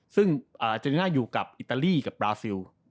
ซึ่งเจริน่าอยู่กับอิตาลีกับบราซิล